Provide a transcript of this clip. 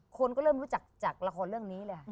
คนก็เริ่มรู้จักจากละครเรื่องนี้เลยค่ะ